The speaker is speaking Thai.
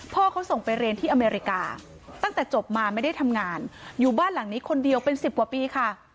พ่อเขาส่งไปเรียนที่อเมริกาตั้งแต่จบมาไม่ได้ทำงานอยู่บ้านหลังนี้คนเดียวเป็นสิบกว่าปีค่ะ